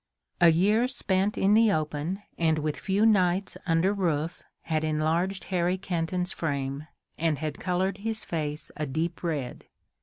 A year spent in the open and with few nights under roof had enlarged Harry Kenton's frame and had colored his face a deep red.